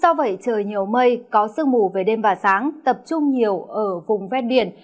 do vậy trời nhiều mây có sương mù về đêm và sáng tập trung nhiều ở vùng ven biển